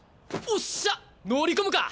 おっしゃ乗り込むか！